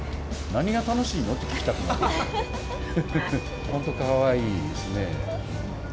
何が楽しいの？って聞きたくなるくらい、本当、かわいいですね。